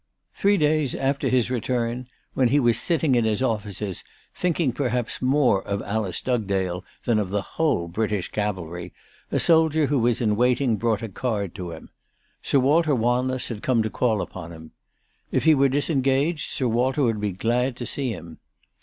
Three days after his return, when he was sitting in his offices thinking perhaps more of Alice Dugdale than of the whole British Cavalry, a soldier who was in waiting brought a card to him. Sir Walter Wanless had come to call upon him. If he were disengaged Sir Walter would be glad to see him.